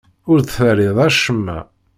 Ur d-terriḍ acemma.